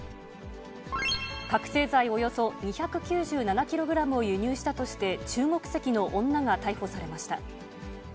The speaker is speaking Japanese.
覚醒剤およそ２９７キログラムを輸入したとして、中国籍の女が逮捕されました。